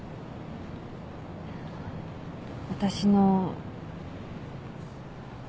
私の。